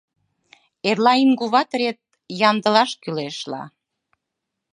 Эрла иҥгуватырет ямдылаш кӱлеш-ла.